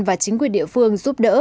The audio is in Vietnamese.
và chính quyền địa phương giúp đỡ